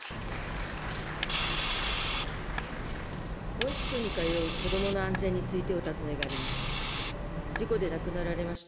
保育所に通う子どもの安全について、お尋ねがありました。